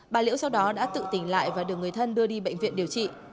bà liễu sau đó đã tự tỉnh lại và được người thân đưa đi bệnh viện điều trị